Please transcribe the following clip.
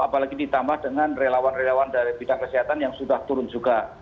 apalagi ditambah dengan relawan relawan dari bidang kesehatan yang sudah turun juga